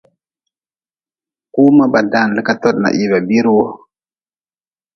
Kuma ba dan likatod na hii ba biiri wu.